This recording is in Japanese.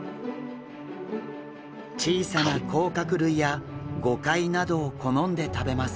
小さな甲殻類やゴカイなどを好んで食べます。